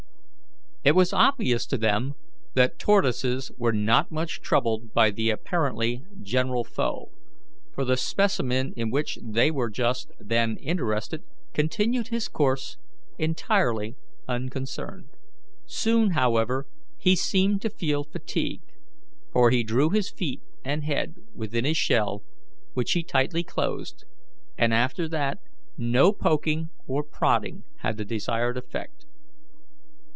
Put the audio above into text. It was obvious to them that tortoises were not much troubled by the apparently general foe, for the specimen in which they were just then interested continued his course entirely unconcerned. Soon, however, he seemed to feel fatigue, for he drew his feet and head within his shell, which he tightly closed, and after that no poking or prodding had the desired effect.